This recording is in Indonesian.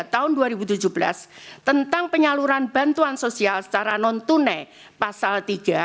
tahun dua ribu tujuh belas tentang penyaluran bantuan sosial secara non tunai pasal tiga